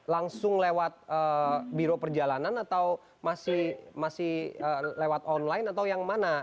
langsung lewat biro perjalanan atau masih lewat online atau yang mana